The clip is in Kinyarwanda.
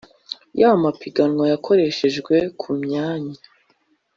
Y amapiganwa yakoreshejwe ku myanya